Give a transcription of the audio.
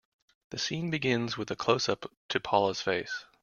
The scene begins with a closeup to Paula's face.